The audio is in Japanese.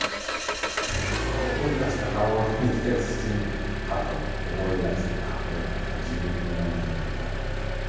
その怒りだした顔を見ているうちにハッと思い出してあこれは自分の名前だったんだと。